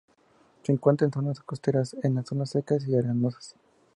Se encuentra en zonas costeras, en zonas secas y arenosas.